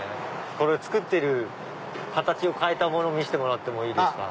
これを作ってる形を変えたもの見せてもらってもいいですか？